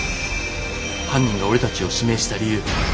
犯人が俺たちを指名した理由。